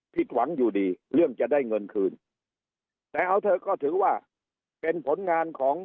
ผิดหวังอยู่ดีเรื่องจะได้เงินคืนแต่เอาเถอะก็ถือว่าเป็นผลงานของ